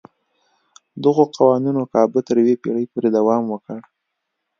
دغو قوانینو کابو تر یوې پېړۍ پورې دوام وکړ.